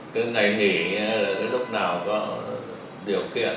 cứ ngày mỹ là lúc nào có điều kiện